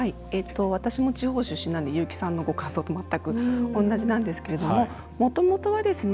私も地方出身なので優木さんのご感想全く同じなんですけれどももともとはですね